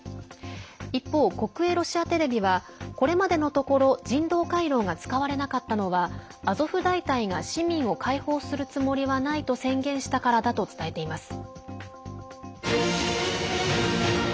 一方、国営ロシアテレビはこれまでのところ人道回廊が使われなかったのはアゾフ大隊が市民を解放するつもりはないと宣言したからだと伝えています。